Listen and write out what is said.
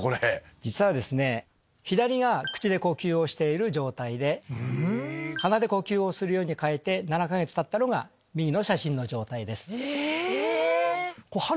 実は左が口で呼吸をしている状態で鼻で呼吸をするように変えて７か月たったのが右の写真の状態です。